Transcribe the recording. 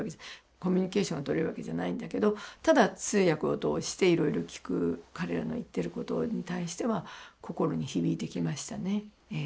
コミュニケーションとれるわけじゃないんだけどただ通訳を通していろいろ聞く彼らの言ってることに対しては心に響いてきましたねええ。